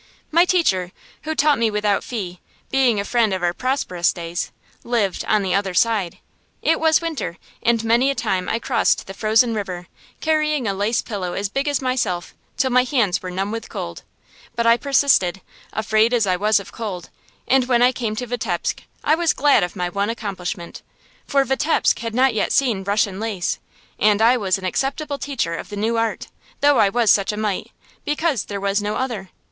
My teacher, who taught me without fee, being a friend of our prosperous days, lived "on the other side." It was winter, and many a time I crossed the frozen river, carrying a lace pillow as big as myself, till my hands were numb with cold. But I persisted, afraid as I was of cold; and when I came to Vitebsk I was glad of my one accomplishment. For Vitebsk had not yet seen "Russian lace," and I was an acceptable teacher of the new art, though I was such a mite, because there was no other.